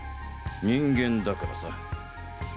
人間だからさ。